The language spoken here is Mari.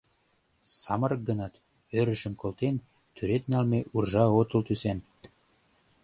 Самырык гынат, ӧрышым колтен, тӱред налме уржа отыл тӱсан.